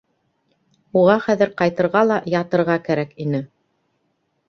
Уға хәҙер ҡайтырға ла ятырға кәрәк ине.